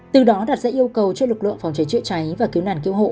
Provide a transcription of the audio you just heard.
từ đó đặt dạy yêu cầu cho lực lượng phòng cháy chữa cháy và cứu nàn cứu hộ